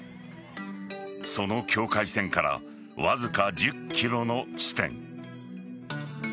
その境界線からわずか１０ｋｍの地点。